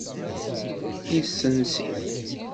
Yesens-it.